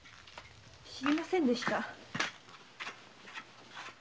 知りませんでした。